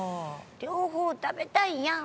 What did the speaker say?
両方食べたいやん！